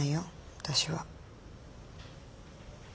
私は。